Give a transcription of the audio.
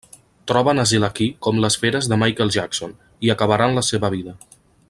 Troben asil aquí com les feres de Michael Jackson, hi acabaran la seva vida.